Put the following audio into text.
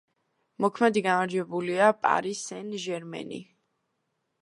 მოქმედი გამარჯვებულია „პარი სენ-ჟერმენი“.